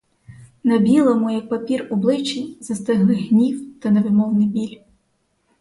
На білому, як папір, обличчі застигли гнів та невимовний біль.